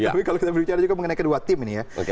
tapi kalau kita berbicara juga mengenai kedua tim ini ya